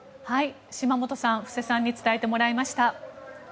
島本さん布施さんに伝えてもらいました。